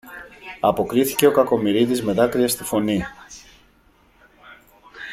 αποκρίθηκε ο Κακομοιρίδης με δάκρυα στη φωνή.